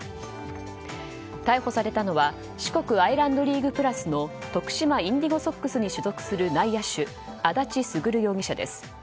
逮捕されたのは四国アイランドリーグｐｌｕｓの徳島インディゴソックスに所属する内野手足立駿容疑者です。